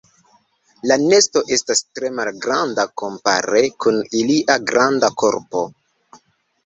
La nesto estas tre malgranda, kompare kun ilia granda korpo.